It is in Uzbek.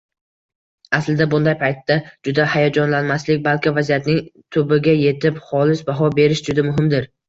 Aslida, bunday paytda juda hayajonlanmaslik, balki vaziyatning tubiga yetib, xolis baho berish juda muhimdir